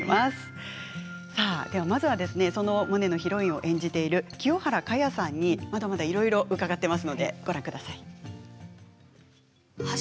まずはヒロインを演じている清原果耶さんにまだまだお話を伺っています。